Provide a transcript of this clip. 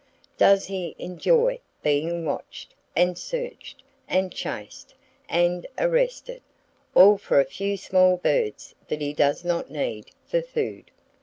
Does he enjoy being watched, and searched, and chased, and arrested,—all for a few small birds that he does not need for food?